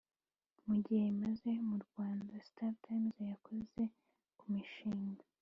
mu gihe imaze mu rwanda, startimes yakoze kumishinga